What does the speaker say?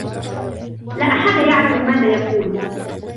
لا أحد يعلم ماذا يقول.